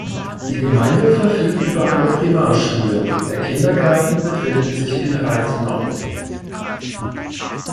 Die Gemeinde verfügt über eine Primarschule, der Kindergarten befindet sich in Reitnau.